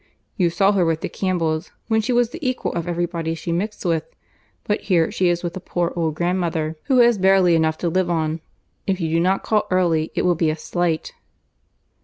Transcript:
You saw her with the Campbells, when she was the equal of every body she mixed with, but here she is with a poor old grandmother, who has barely enough to live on. If you do not call early it will be a slight."